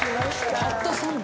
「たった３分」